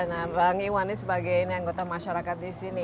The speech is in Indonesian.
iya pak anggiwani sebagai anggota masyarakat di sini